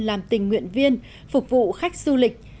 làm tình nguyện viên phục vụ khách du lịch